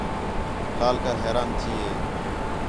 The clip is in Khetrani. لال کر حیران تھی ہِے